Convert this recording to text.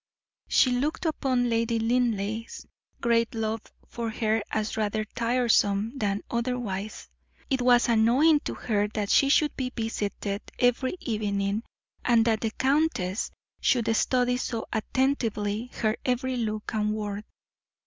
She looked upon Lady Linleigh's great love for her as rather tiresome than otherwise; it was annoying to her that she should be visited every evening, and that the countess should study so attentively her every look and word.